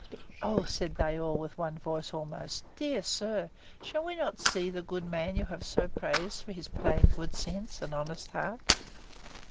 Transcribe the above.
O, said they all, with one voice almost, Dear sir! shall we not see the good old man you have so praised for his plain good sense, and honest heart?